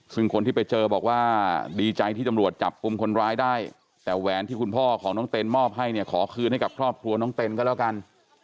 ซึ่งคนที่ไปเจอบอกว่าดีใจที่ตำรวจจับกลุ่มคนร้ายได้แต่แหวนที่คุณพ่อของน้องเต้นมอบให้เนี่ยขอคืนให้กับครอบครัวน้องเต้นก็แล้วกัน